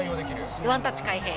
ワンタッチ開閉。